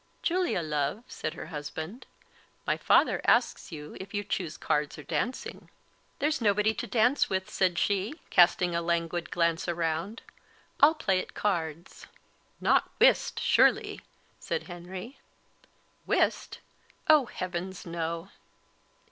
"Julia, love," said her husband, "my father asks you if you choose cards or dancing." "There's nobody to dance with," said she, casting a languid glance around; "I'll play at cards." "Not whist, surely!" said Henry. "Whist! Oh, heavens, no."